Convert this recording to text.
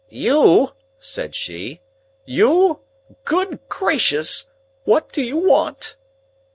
"You?" said she. "You? Good gracious! What do you want?"